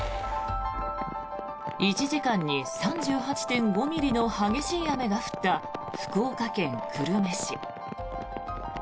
１時間に３８．５ミリの激しい雨が降った福岡県久留米市。